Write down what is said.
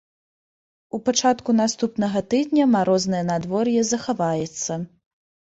У пачатку наступнага тыдня марознае надвор'е захаваецца.